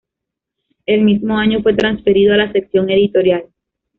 El mismo año fue transferido a la sección editorial.